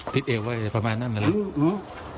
พิเศษไว้ประมาณนั้นหรือ